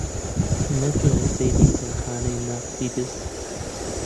نەچوونە سەیری کارخانەی مارسیدس؟